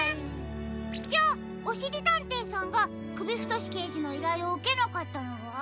じゃあおしりたんていさんがくびふとしけいじのいらいをうけなかったのは？